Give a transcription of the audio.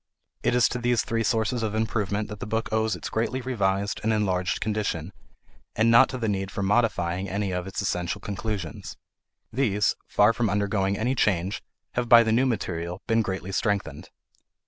It is to these three sources of improvement that the book owes its greatly revised and enlarged condition, and not to the need for modifying any of its essential conclusions. These, far from undergoing any change, have by the new material been greatly strengthened.